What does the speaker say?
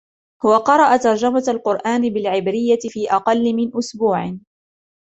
هو قرأ ترجمة القرآن بالعبرية فى أقل من إسبوع.